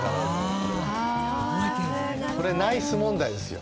これナイス問題ですよ。